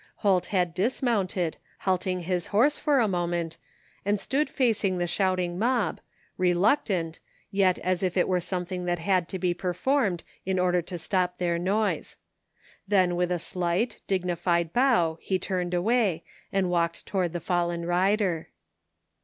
Holt had dismounted, halting his horse for a mo ment, and stood facing the shouting mob, reluctant, yet as if it were something that had to be performed in order to stop their noise. Then with a slight, dig nified bow he turned away, and walked toward the fallen rider.